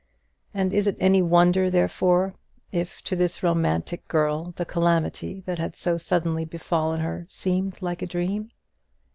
And is it any wonder, therefore, if to this romantic girl the calamity that had so suddenly befallen her seemed like a dream?